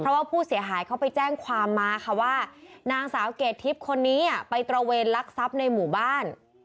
เพราะว่าผู้เสียหายเขาไปแจ้งความมาค่ะว่านางสาวเกรดทิพย์คนนี้ไปตระเวนลักทรัพย์ในหมู่บ้าน